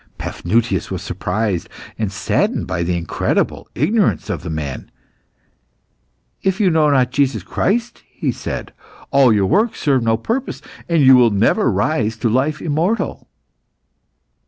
Paphnutius was surprised and saddened by the incredible ignorance of the man. "If you know not Jesus Christ," he said, "all your works serve no purpose, and you will never rise to life immortal."